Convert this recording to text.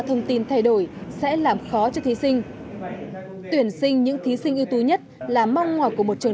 thông tin thay đổi sẽ làm khó cho thí sinh tuyển sinh những thí sinh ưu tú nhất là mong mỏi của một trường